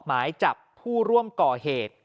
หมายจับผู้ร่วมก่อเหตุ